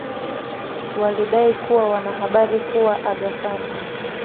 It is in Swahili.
walidai kuwa wana habari kuwa Aga Khan